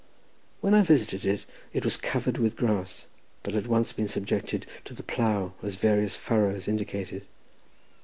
When I visited it, it was covered with grass, but had once been subjected to the plough, as various furrows indicated.